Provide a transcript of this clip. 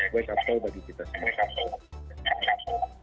white up tall bagi kita sendiri